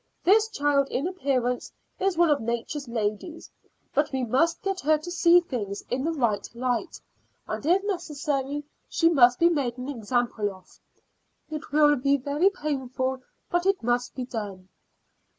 This child in appearance is one of Nature's ladies, but we must get her to see things in the right light, and if necessary she must be made an example of. It will be very painful, but it must be done."